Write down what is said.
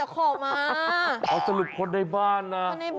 คนในบ้าน